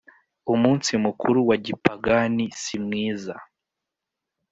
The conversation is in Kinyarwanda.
Umunsi mukuru wa gipagani simwiza.